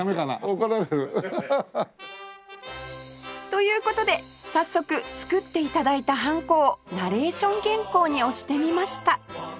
という事で早速作って頂いたハンコをナレーション原稿に押してみました